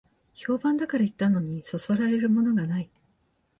評判だから行ったのに、そそられるものがない